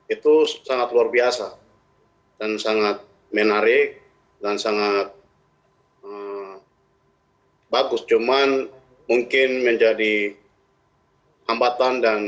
itu sangat luar biasa dan sangat menarik dan sangat bagus cuman mungkin menjadi hambatan dan